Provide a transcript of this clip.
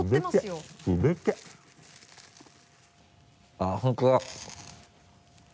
あっ本当だ。